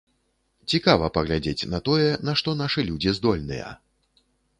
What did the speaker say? Цікава паглядзець на тое, на што нашы людзі здольныя.